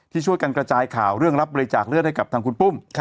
ช่วยกันกระจายข่าวเรื่องรับบริจาคเลือดให้กับทางคุณปุ้ม